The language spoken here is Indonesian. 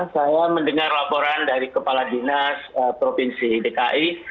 saya mendengar laporan dari kepala dinas provinsi dki